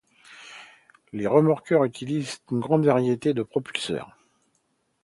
Les remorqueurs utilisent une grande variété de propulseurs.